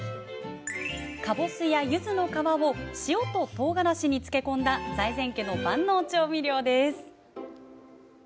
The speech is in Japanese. かぼすや、ゆずの皮を塩ととうがらしに漬け込んだ財前家の万能調味料です。